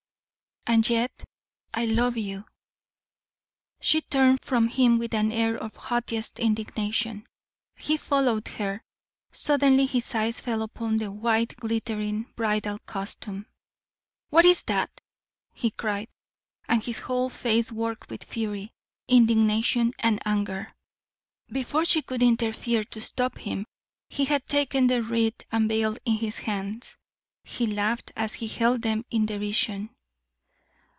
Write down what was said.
"And yet I love you." She turned from him with an air of haughtiest indignation. He followed her. Suddenly his eyes fell upon the white glittering bridal costume. "What is that?" he cried, and his whole face worked with fury, indignation and anger. Before she could interfere to stop him, he had taken the wreath and veil in his hands. He laughed as he held them in derision.